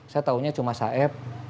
saya tahunya cuma saeb